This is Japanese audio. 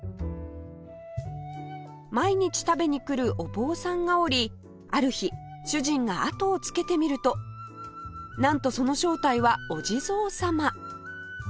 毎日食べに来るお坊さんがおりある日主人があとをつけてみるとなんとその正体はお地蔵様！